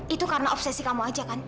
itu karena obsesi kamu aja kan